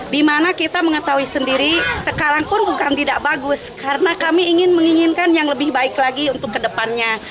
dimana kita mengetahui sendiri sekarang pun bukan tidak bagus karena kami ingin menginginkan yang lebih baik lagi untuk kedepannya